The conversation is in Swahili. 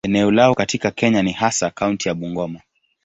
Eneo lao katika Kenya ni hasa kaunti ya Bungoma.